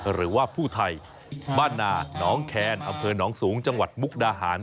หรือว่าผู้ไทยบ้านนาน้องแคนอำเภอหนองสูงจังหวัดมุกดาหาร